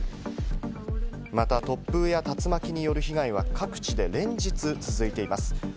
また突風や竜巻による被害は各地で連日続いています。